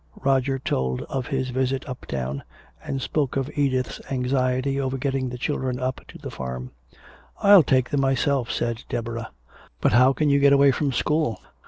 Roger told of his visit uptown, and spoke of Edith's anxiety over getting the children up to the farm. "I'll take them myself," said Deborah. "But how can you get away from school?"